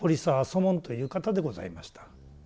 祖門という方でございました。